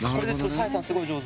さあやさんすごい上手。